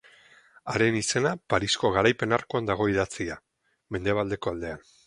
Haren izena Parisko Garaipen Arkuan dago idatzia, mendebaldeko aldean.